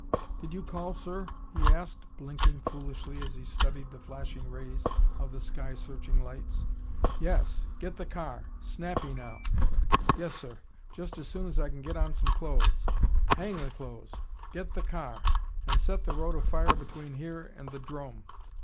"Did you call, sir?" he asked, blinking foolishly as he studied the flashing rays of the sky searching lights. "Yes! Get the car! Snappy, now!" "Yes, sir. Just as soon as I can get on some clothes." "Hang the clothes! Get the car and set the road afire between here and the 'drome.